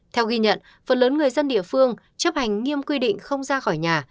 theo ghi nhận phần lớn người dân địa phương chấp hành nghiêm quy định không ra khỏi nhà